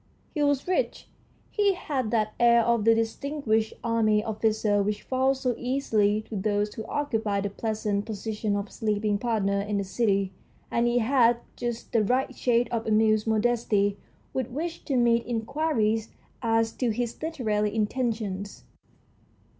He was rich, he had that air of the distinguished army officer which falls so easily to those who occupy the pleasant position of sleeping partner in the City, and he had just the right shade of amused modesty with which THE STORY OF A BOOK 141 to meet inquiries as to his literary intentions.